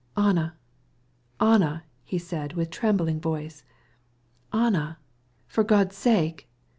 "Anna! Anna!" he said with a choking voice, "Anna, for pity's sake!..."